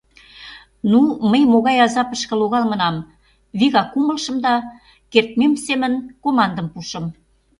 Ну, мый могай азапышке логалмынам вигак умылышым да, кертмем семын командым пуышым: